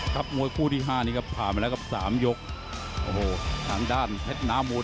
มวยคู่ที่ห้านี้ครับผ่านมาแล้วครับสามยกโอ้โหทางด้านเพชรน้ำมูล